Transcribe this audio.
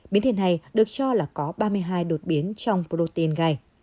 biến thể này được cho là có ba mươi hai đột biến trong protein gai